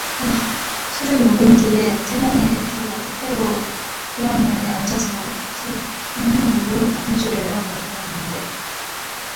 술을 먹은 뒤에 취훙에 겨워, 때때로 피아노에 앉아서 즉흥으로 탄주를 하고 하였는데